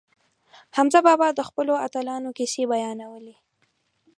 حمزه بابا د خپلو اتلانو کیسې بیانولې.